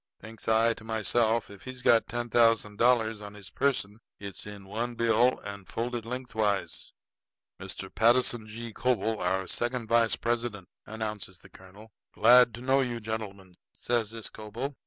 Thinks I to myself, if he's got ten thousand dollars on his person it's in one bill and folded lengthwise. "Mr. Patterson G. Coble, our second vice president," announces the colonel. "Glad to know you, gentlemen," says this Coble.